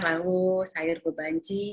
lalu sayur bebanci